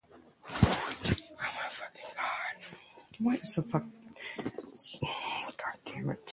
As a marine-life sanctuary, Hanauma Bay is idyllic for snorkeling.